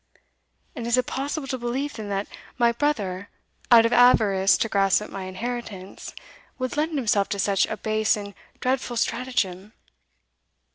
"And is it possible to believe, then, that my brother, out of avarice to grasp at my inheritance, would lend himself to such a base and dreadful stratagem?"